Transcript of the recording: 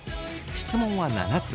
質問は７つ。